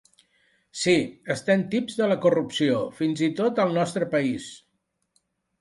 Sí, estem tips de la corrupció, fins i tot al nostre país.